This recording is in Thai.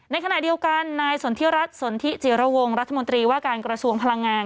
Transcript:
ในขณะเดียวกันนายสนทิรัฐสนทิจิระวงรัฐมนตรีว่าการกระทรวงพลังงาน